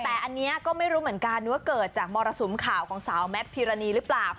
แต่อันนี้ก็ไม่รู้เหมือนกันว่าเกิดจากมรสุมข่าวของสาวแมทพิรณีหรือเปล่า